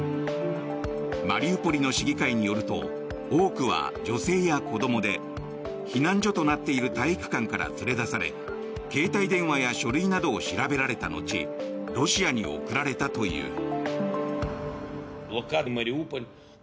マリウポリの市議会によると多くは女性や子どもで避難所となっている体育館から連れ出され携帯電話や書類などを調べられた後ロシアに送られたという。